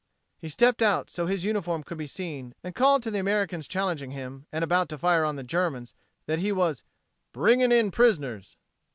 He stepped out so his uniform could be seen, and called to the Americans challenging him, and about to fire on the Germans, that he was "bringing in prisoners."